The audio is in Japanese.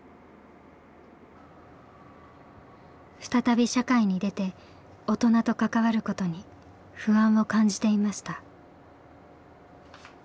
再び社会に出て大人と関わることに不安を感じていました。